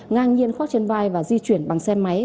ngang nhiên khoác trên vai và di chuyển bằng xe máy